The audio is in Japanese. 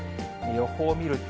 予報を見ると、